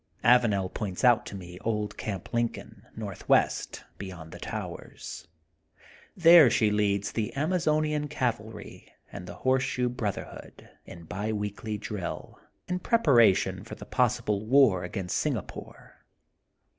'' Avanel points out to me old Camp Lincoln, northwest, beyond the towers. There she leads the Amazonian Cavalry and the Horse shoe Brotherhood in bi weekly drill, in prep aration for the possible war against Singa pore.